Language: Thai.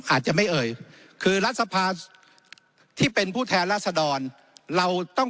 อาจจะไม่เอ่ยคือรัฐสภาที่เป็นผู้แทนราษดรเราต้อง